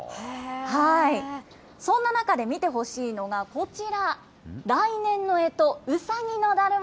そんな中で見てほしいのがこちら、来年のえと、かわいい。